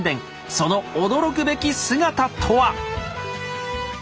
その驚くべき姿とは？